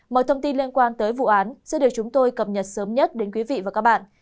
mọi thông tin liên quan tới vụ án sẽ được chúng tôi cập nhật sớm nhất đến quý vị và các bạn